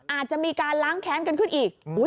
อาจจะมีการล้างแค้นกันขึ้นอีก